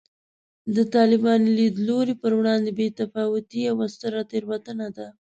د طالباني لیدلوري پر وړاندې بې تفاوتي یوه ستره تېروتنه ده